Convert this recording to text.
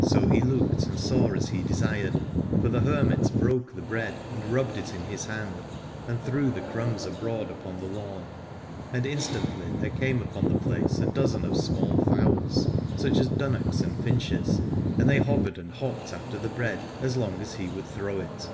So he looked and saw as he desired : for the hermit broke the bread and rubbed it in his hand and threw the crumbs abroad upon the lawn : and instantly there came upon the place a dozen of small fowls, such as dunnocks and finches, and they hovered and hopped after the bread as long as he would throw it.